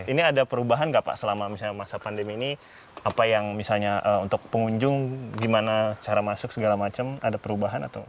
ini ada perubahan nggak pak selama masa pandemi ini apa yang misalnya untuk pengunjung gimana cara masuk segala macam ada perubahan atau